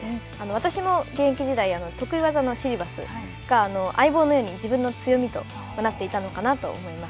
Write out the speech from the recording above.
私も現役時代、得意技のシリバスが相棒のように自分の強みとなっていたのかなと思います。